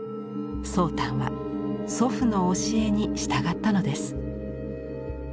宗旦は祖父の教えに従ったのです。